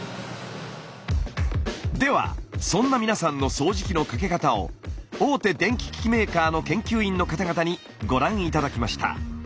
ではそんな皆さんの掃除機のかけ方を大手電気機器メーカーの研究員の方々にご覧頂きました。